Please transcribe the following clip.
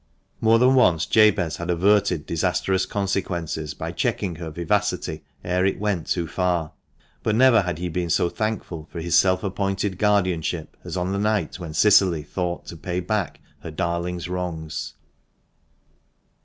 More than once Jabez had averted disastrous consequences by checking her vivacity ere it went too far. But never had he been so thankful for his self appointed guardianship as on the night when Cicily thought to pay back her darling's wrongs.